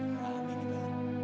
ngerahkan dia dulu